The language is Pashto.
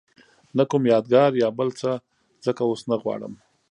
نه کوم یادګار یا بل څه ځکه اوس نه غواړم.